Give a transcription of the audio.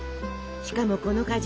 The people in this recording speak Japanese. しかもこの果汁。